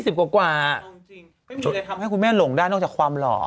จะทำให้คุณแม่หลงได้นอกจากความหล่อ